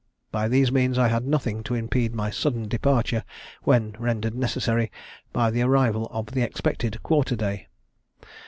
By these means I had nothing to impede my sudden departure, when rendered necessary by the arrival of the expected quarter day.